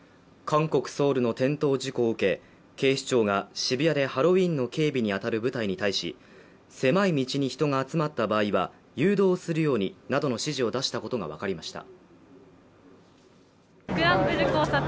韓国ソウルの転倒事故を受け、警視庁が渋谷でハロウィーンの警備に当たる部隊に対し狭い道に人が集まった場合は誘導するようになどの指示を出したことが分かりました。